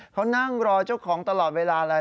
เขานั่งรอเจ้าของตลอดเวลาเลย